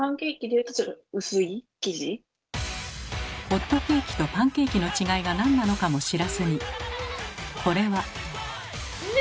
ホットケーキとパンケーキの違いが何なのかも知らずにこれは。